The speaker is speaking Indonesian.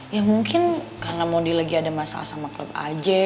ya mungkin karena mondi lagi ada masalah sama klub aja